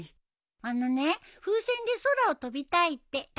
あのね風船で空を飛びたいってたまちゃんが。